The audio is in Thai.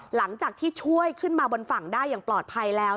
หลังจากที่ช่วยขึ้นมาบนฝั่งได้อย่างปลอดภัยแล้ว